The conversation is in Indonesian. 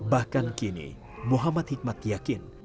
bahkan kini muhammad hikmat yakin